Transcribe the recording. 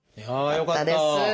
よかったです。